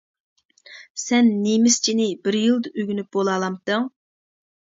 سەن نېمىسچىنى بىر يىلدا ئۆگىنىپ بولالامتىڭ؟ !